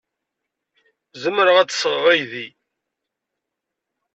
Zemreɣ ad d-sɣeɣ aydi?